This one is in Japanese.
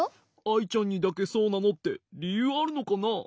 アイちゃんにだけそうなのってりゆうあるのかな？